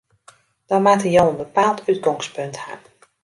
Dan moatte jo in bepaald útgongspunt ha.